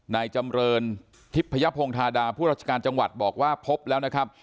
นายจำเรินทิพยพงธาดาผู้ราชการจังหวัดบอกว่าพบแล้วนะครับ